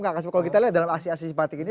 kalau kita lihat dalam asis asis simpati ini